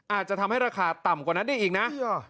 อาจจะทำให้ราคาต่ำกว่านั้นได้อีกนะ